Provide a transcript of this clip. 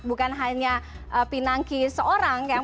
punya pinangki seorang